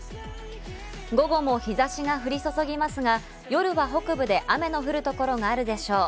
午後も日差しが降り注ぎますが、夜は北部で雨の降る所があるでしょう。